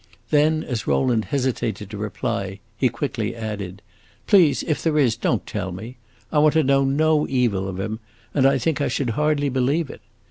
Then, as Rowland hesitated to reply, he quickly added, "Please, if there is, don't tell me! I want to know no evil of him, and I think I should hardly believe it.